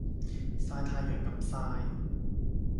曬太陽咁曬